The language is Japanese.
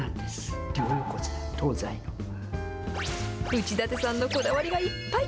内館さんのこだわりがいっぱい。